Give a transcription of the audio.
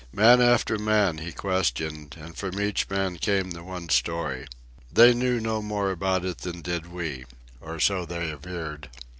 Man after man he questioned, and from each man came the one story. They knew no more about it than did we—or so they averred.